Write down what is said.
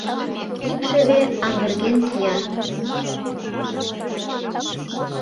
Икшыве аҥырген кия.